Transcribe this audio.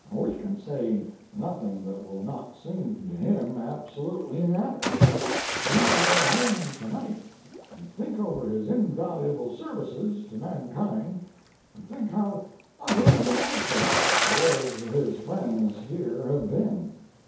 We can say nothing that will not seem to him absolutely inadequate. He will go home tonight and think over his invaluable services to mankind and think how utterly inadequate the words of his friends here have been.